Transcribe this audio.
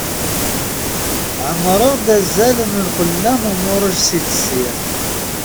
Ɛemmreɣ-d azal n lqella n umuṛej si tessirt.